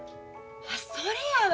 あそれやわ。